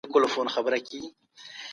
بې تجربې خلګ په اسانۍ سره غولیږي.